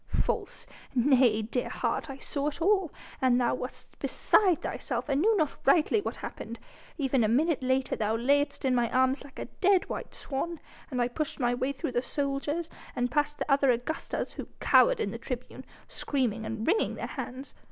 "False? Nay, dear heart, I saw it all, and thou wast beside thyself and knew not rightly what happened. Even a minute later thou laidst in my arms like a dead white swan, and I pushed my way through the soldiers, and past the other Augustas who cowered in the tribune, screaming and wringing their hands.